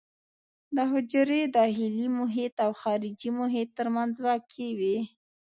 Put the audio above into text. د حجرې داخلي محیط او خارجي محیط ترمنځ واقع وي.